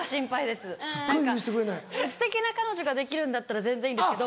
すてきな彼女ができるんだったら全然いいんですけど。